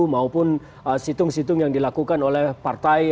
maupun situng situng yang dilakukan oleh partai